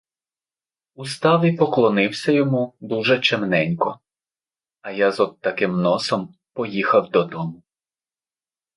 Устав і поклонився йому дуже чемненько, а я з от таким носом поїхав додому.